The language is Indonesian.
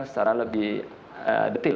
secara lebih detail